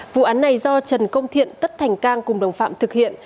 vụ án này do trần công thiện tất thành cang cùng đồng phạm thực hiện